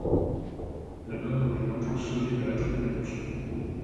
La-bas, où l’on entend sonner de la trompette